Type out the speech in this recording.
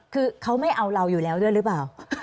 คือเขาไม่เอาเราอยู่แล้วด้วยหรือเปล่า